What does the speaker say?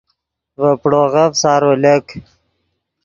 ڤے پڑوغف سارو لک